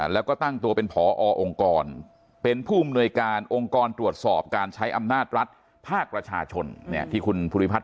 แล้วก็ตั้งตัวเป็นผอองค์กรเป็นผู้อำนวยการองค์กรตรวจสอบการใช้อำนาจรัฐภาคประชาชนที่คุณภูริพัฒน